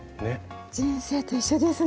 人生と一緒ですね